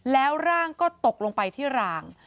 แล้วร่างก็ตกลงไปที่ราง